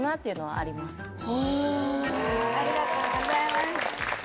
ありがとうございます。